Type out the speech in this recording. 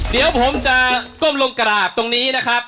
เดี๋ยวผมจะก้มลงกราบตรงนี้นะครับ